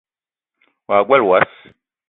Wa gbele wass